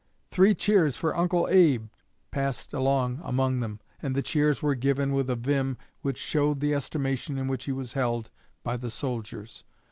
'Three cheers for Uncle Abe!' passed along among them, and the cheers were given with a vim which showed the estimation in which he was held by the soldiers.